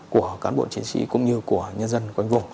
của cán bộ chiến sĩ cũng như của nhân dân quanh vùng